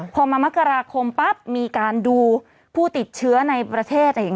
พอมามกราคมปั๊บมีการดูผู้ติดเชื้อในประเทศ